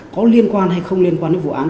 có liên quan hay không liên quan đến vụ án